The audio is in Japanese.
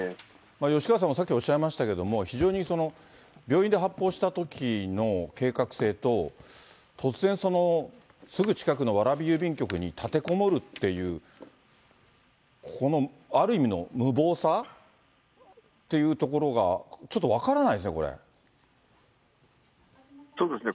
吉川さんもさっきおっしゃいましたけれども、非常に病院で発砲したときの計画性と、突然すぐ近くの蕨郵便局に立てこもるっていうこのある意味の無謀さっていうところが、そうですね。